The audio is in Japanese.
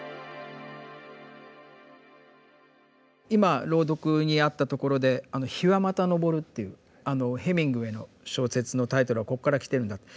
今朗読にあったところで「日はまた昇る」っていうヘミングウェイの小説のタイトルはここから来てるんだ。